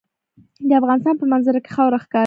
د افغانستان په منظره کې خاوره ښکاره ده.